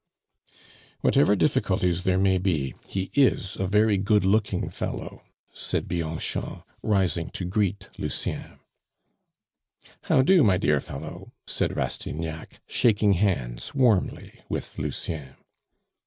"Whatever difficulties there may be, he is a very good looking fellow," said Bianchon, rising to greet Lucien. "How 'do, my dear fellow?" said Rastignac, shaking hands warmly with Lucien.